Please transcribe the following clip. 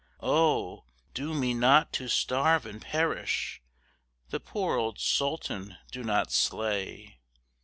Oh doom me not to starve and perish; The poor old Sultan do not slay!